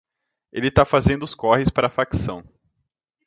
Ele tá fazendo os corres para a facção